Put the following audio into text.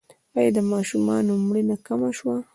آیا د ماشومانو مړینه کمه شوې؟